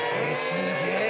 すげえ。